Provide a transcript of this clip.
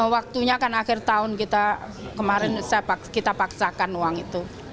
waktunya kan akhir tahun kita kemarin kita paksakan uang itu